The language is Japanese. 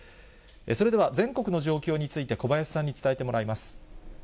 それでは全国の状況について小林さんに伝えてもらいます。